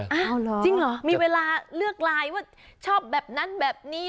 เอาเหรอจริงเหรอมีเวลาเลือกลายว่าชอบแบบนั้นแบบนี้